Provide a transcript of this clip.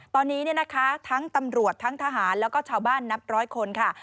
ตอนนี้เนี่ยนะคะทั้งตำรวจทั้งทหารแล้วก็ชาวบ้านนับร้อยคนค่ะ